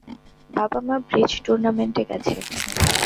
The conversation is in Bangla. বাবা-মা ব্রিজ টুর্নামেন্টে গেছে।